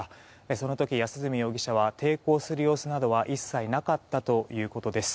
その時、安栖容疑者は抵抗する様子などは一切なかったということです。